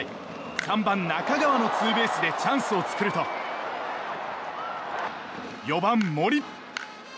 ３番、中川のツーベースでチャンスを作ると４番、森。